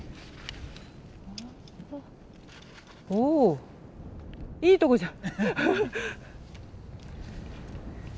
おいいとこじゃん。